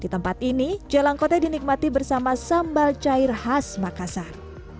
di tempat ini jalangkote dinikmati bersama sambal cair khas makassar